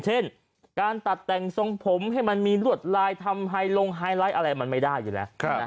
เช่นการตัดแต่งทรงผมให้มันมีรวดลายทำไฮลงไฮไลท์อะไรมันไม่ได้อยู่แล้ว